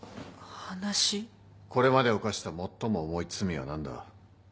これまで犯した最も重い罪は何だ？